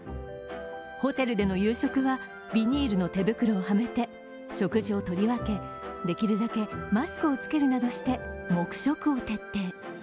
ホテルでの夕食はビニールの手袋をはめて食事を取り分けできるだけマスクを着けるなどして黙食を徹底。